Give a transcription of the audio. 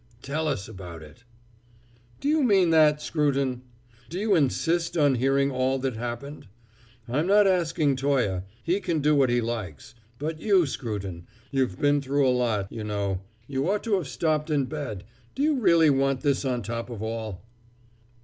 "Tell us about it." "Do you mean that, Scruton? Do you insist on hearing all that happened? I'm not asking Toye; he can do what he likes. But you, Scruton you've been through a lot, you know you ought to have stopped in bed do you really want this on top of all?"